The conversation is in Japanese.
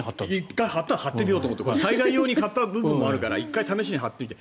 １回、張ってみようと思って災害用に買ったところもあるから１回張ってみて。